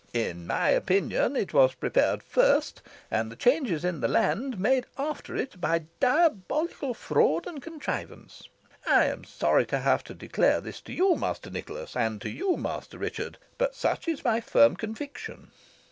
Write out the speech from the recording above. In my opinion it was prepared first, and the changes in the land made after it by diabolical fraud and contrivance. I am sorry to have to declare this to you, Master Nicholas, and to you, Master Richard, but such is my firm conviction."